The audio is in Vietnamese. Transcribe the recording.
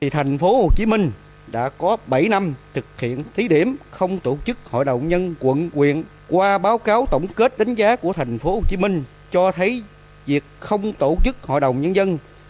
tp hcm đã có bảy năm thực hiện thí điểm không tổ chức hội đồng nhân quận quyền qua báo cáo tổng kết đánh giá của tp hcm cho thấy việc không tổ chức hội đồng nhân dân